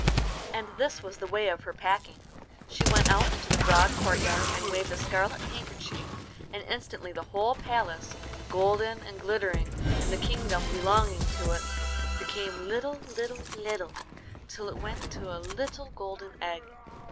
And this was the way of her packing. She went out into the broad courtyard and waved a scarlet handkerchief, and instantly the whole palace, golden and glittering, and the kingdom belonging to it, became little, little, little, till it went into a little golden egg.